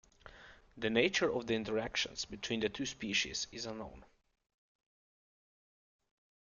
The nature of the interactions between the two species is unknown.